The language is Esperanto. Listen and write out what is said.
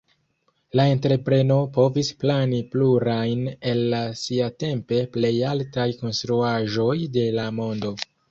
La entrepreno povis plani plurajn el la siatempe plej altaj konstruaĵoj de la mondo.